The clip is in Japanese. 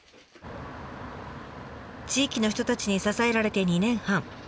地域の人たちに支えられて２年半。